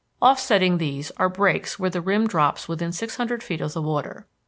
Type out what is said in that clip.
Offsetting these are breaks where the rim drops within six hundred feet of the water.